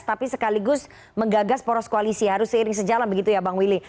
tapi sekaligus menggagas poros koalisi harus seiring sejalan begitu ya bang willy